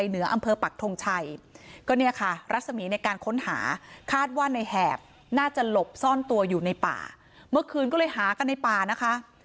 ในการค้นหาคาดว่าในแหบน่าจะหลบซ่อนตัวอยู่ในป่าเมื่อคืนก็เลยหากันในป่านะคะ